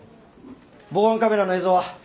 防犯カメラの映像は？